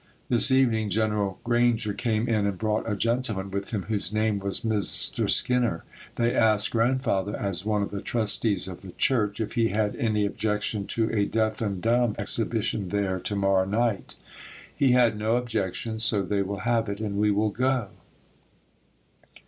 This evening General Granger came in and brought a gentleman with him whose name was Mr. Skinner. They asked Grandfather, as one of the trustees of the church, if he had any objection to a deaf and dumb exhibition there to morrow night. He had no objection, so they will have it and we will go.